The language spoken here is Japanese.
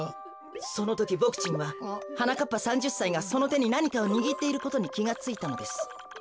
そのときボクちんははなかっぱ３０さいがそのてになにかをにぎっていることにきがついたのです。